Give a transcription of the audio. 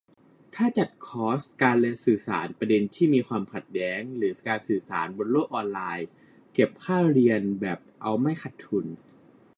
ถ้าจัดคอร์ส การสื่อสารประเด็นที่มีความขัดแย้ง หรือการสื่อสารบนโลกออนไลน์ เก็บค่าเรียนแบบเอาไม่ขาดทุน